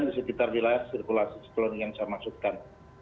di sekitar wilayah sirkulasi psikologi yang saya maksudkan